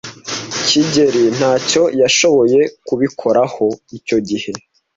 kigeli ntacyo yashoboye kubikoraho icyo gihe.